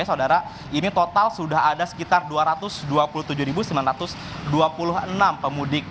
saudara ini total sudah ada sekitar dua ratus dua puluh tujuh sembilan ratus dua puluh enam pemudik